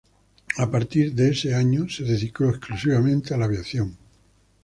A partir de ese año se dedicó exclusivamente a la aviación.